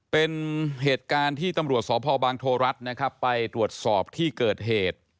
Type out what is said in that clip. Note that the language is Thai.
เป็นเหตุการณ์ที่ตำรวจสพบางโทรัฐนะครับไปตรวจสอบที่เกิดเหตุ